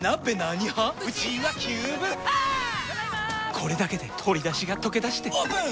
これだけで鶏だしがとけだしてオープン！